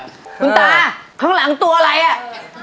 คุณตาข้างหลังตัวอะไรอ่ะ